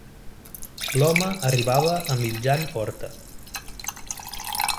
L'home arribava a mitjan horta.